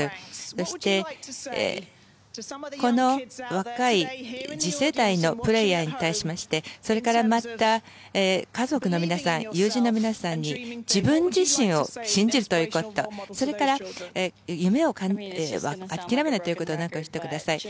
そして、この若い次世代のプレーヤーに対しましてそれから、また家族の皆さん、友人の皆さんに自分自身を信じるということそれから、夢を諦めないということを教えてください。